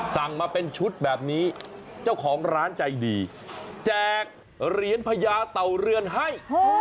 สั่งมาเป็นชุดแบบนี้เจ้าของร้านใจดีแจกเหรียญพญาเต่าเรือนให้